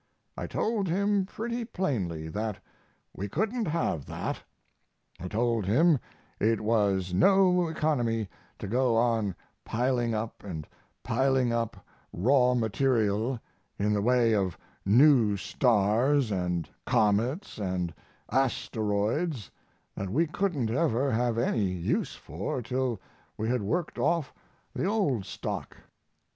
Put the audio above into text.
I told him pretty plainly that we couldn't have that. I told him it was no economy to go on piling up and piling up raw material in the way of new stars and comets and asteroids that we couldn't ever have any use for till we had worked off the old stock.